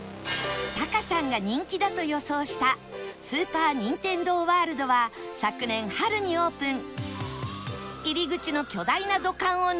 タカさんが人気だと予想したスーパー・ニンテンドー・ワールドは昨年春にオープン